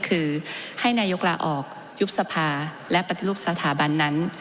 คือให้นายกลาออกยุบสภาและปฏิรูปสถาบันนั้น